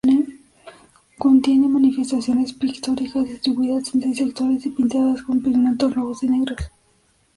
Contiene manifestaciones pictóricas distribuidas en seis sectores y pintadas con pigmentos rojos y negros.